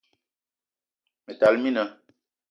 Ma tala mina